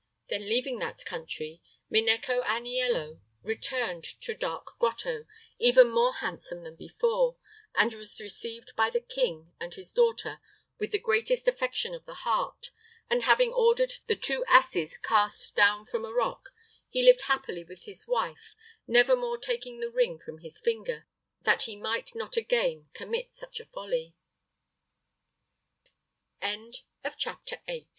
Then, leaving that country, Minecco Aniello returned to Dark Grotto, even more handsome than before, and was received by the king and his daughter with the greatest affection of the heart, and having ordered the two asses cast down from a rock, he lived happily with his wife, never more taking the ring from his finger, that he might not again commi